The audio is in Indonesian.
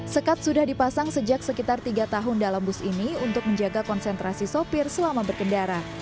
sekat sudah dipasang sejak sekitar tiga tahun dalam bus ini untuk menjaga konsentrasi sopir selama berkendara